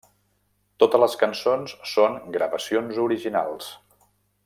Totes les cançons són gravacions originals.